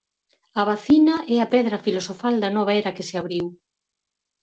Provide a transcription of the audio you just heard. A vacina é a "pedra filosofal" da nova era que se abriu.